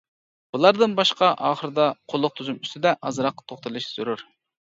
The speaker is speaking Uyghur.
بۇلاردىن باشقا، ئاخىردا قۇللۇق تۈزۈم ئۈستىدە ئازراق توختىلىش زۆرۈر.